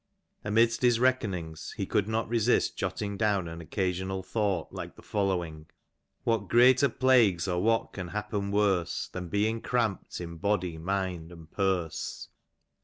Amidst his reckonings he could not resist jotting down an occasional thought like the following : What greater plagues or what can happen worse. Than being cramp'd in body, mind, and purse.